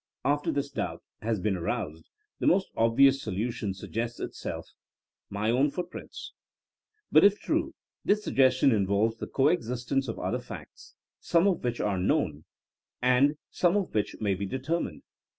After this doubt has been aroused the most obvious solution sug gests itself — ^my own footprints." But if true, this suggestion involves the co existence of other facts, some of which are known and some of which may be determined.